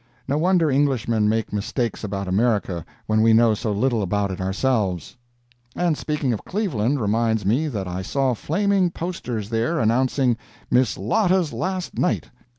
No wonder Englishmen make mistakes about America when we know so little about it ourselves. And speaking of Cleveland reminds me that I saw flaming posters there announcing "Miss Lotta's Last Night!"